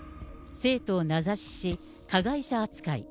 生徒を名指しし、加害者扱い。